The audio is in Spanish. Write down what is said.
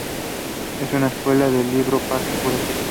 Es una secuela del libro "Parque Jurásico".